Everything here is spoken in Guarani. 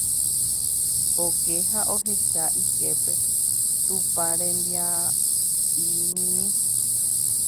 oke ha ohecha iképe tupãrembiguaimimi.